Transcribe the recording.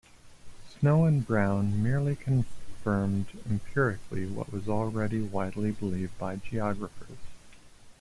Snow and Brown merely confirmed empirically what was already widely believed by geographers.